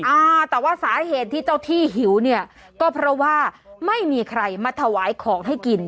อ่าแต่ว่าสาเหตุที่เจ้าที่หิวเนี่ยก็เพราะว่าไม่มีใครมาถวายของให้กิน